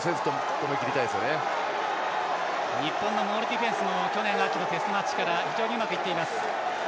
日本のモールディフェンスも去年秋のテストマッチから非常にうまくいっています。